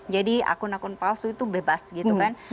jadi akun akun palsu itu bebas gitu kan